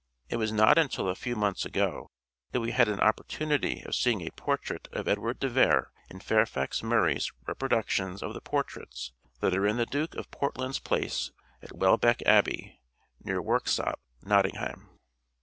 It was not until a few months ago that we had an opportunity of seeing a portrait of Edward de Vere in Fairfax Murray's reproductions of the portraits that are in the Duke of Portland's place at Welbeck Abbey, near Worksop, Nottingham.